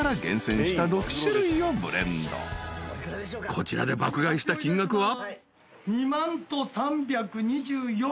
［こちらで爆買いした金額は］